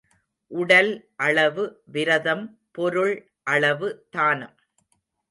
உடல் அளவு விரதம் பொருள் அளவு தானம்.